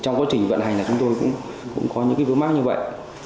trong quá trình vận hành là chúng tôi cũng có những cái vướng mắt như vậy